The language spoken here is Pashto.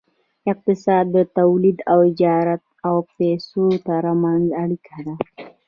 اقتصاد د تولید او تجارت او پیسو ترمنځ اړیکه ده.